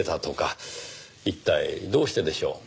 一体どうしてでしょう？